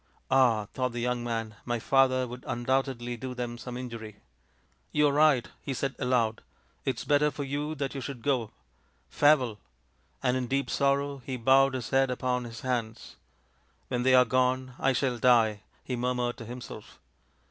" Ah," thought the young man, " my father would undoubtedly do them some injury." " You are right," he said aloud. " It is better for you that you should go. Farewell !" and in deep sorrow he bowed his head upon his hands. " When they are gone, I shall die," he murmured to himself.